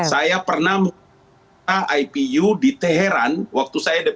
saya pernah membuka ipu di teheran waktu saya di